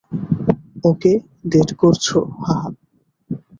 ওকে date করছো, হাহ।